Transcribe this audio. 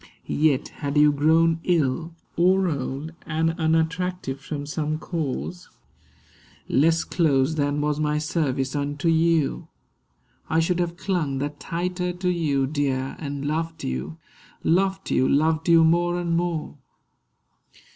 Yet had you grown ill, Or old, and unattractive from some cause (Less close than was my service unto you), I should have clung the tighter to you, dear; And loved you, loved you, loved you more and more.